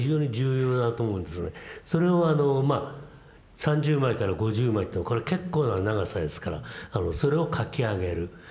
それをまあ３０枚から５０枚とこれ結構な長さですからそれを書き上げる。